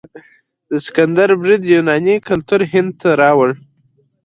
د سکندر برید یوناني کلتور هند ته راوړ.